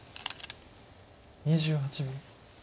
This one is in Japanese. ２８秒。